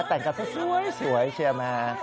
แต่งกันสวยใช่ไหม